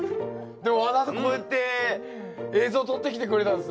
でもわざわざこうやって映像撮ってきてくれたんですね。